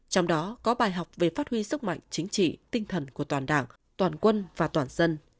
trong đó có bài học về phát huy sức mạnh chính trị tinh thần của toàn đảng toàn quân và toàn dân